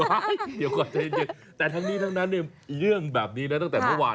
ไว้เดี๋ยวก่อนแต่ทั้งนี้ทั้งนั้นเนี่ยเรื่องแบบนี้เนี่ยตั้งแต่เมื่อวาน